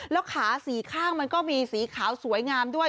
แล้วขาสีข้างมันก็มีสีขาวสวยงามด้วย